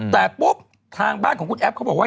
แต่ปุ๊บทางบ้านของคุณแอฟเขาบอกว่า